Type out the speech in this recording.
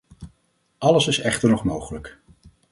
Alles is echter nog mogelijk.